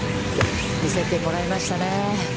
見せてもらいましたね。